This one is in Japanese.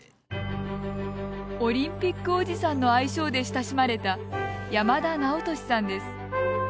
オリンピックおじさんの愛称で親しまれた山田直稔さんです。